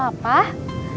dede mah masih mau disini